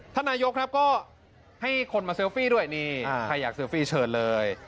ท่านนายกครับก็ให้คนมาเซลฟี่ด้วยนี่ใครอยากเซลฟี่เชิญเลย